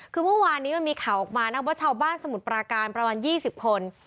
คือเมื่อวานนี้มันมีข่าวออกมานะว่าชาวบ้านสมุทรปราการประมาณ๒๐คน